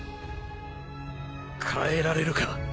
変えられるか？